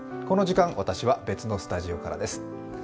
この時間、私は別のスタジオからです。